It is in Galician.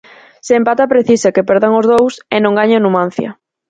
Se empata precisa que perdan os dous, e non gañe o Numancia.